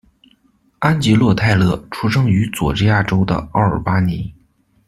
安吉洛·泰勒出生在佐治亚州的奥尔巴尼。